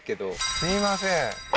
すいません